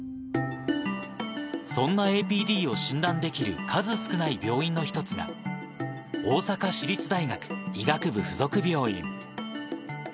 そんなＡＰＤを診断できる数少ない病院の一つが、大阪市立大学医学部付属病院。